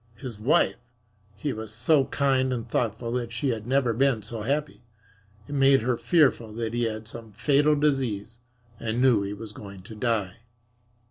His wife ! He was so kind and thoughtful that she had never been so happy. It made her fearful that he had some fatal disease and knew he was going to die.